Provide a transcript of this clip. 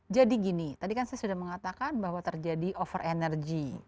jadi gini tadi saya sudah mengatakan bahwa terjadi over energy